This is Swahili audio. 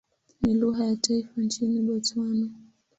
Ni lugha ya taifa nchini Botswana.